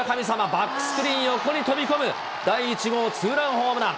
バックスクリーン横に飛び込む第１号ツーランホームラン。